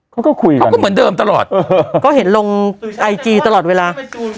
เขาก็คุยเขาก็เหมือนเดิมตลอดก็เห็นลงไอจีตลอดเวลา